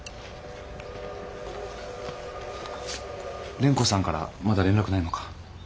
蓮子さんからまだ連絡ないのか。